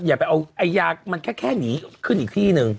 อย่าไปเอาไอ้ยามันแค่หนีขึ้นอีกที่หนึ่ง